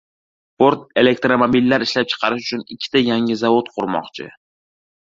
"Ford" elektromobillar ishlab chiqarish uchun ikkita yangi zavod qurmoqchi